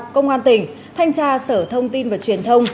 công an tỉnh thanh tra sở thông tin và truyền thông